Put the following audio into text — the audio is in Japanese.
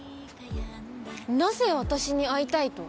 なぜ私に会いたいと？